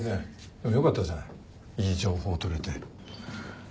でもよかったじゃないいい情報取れて。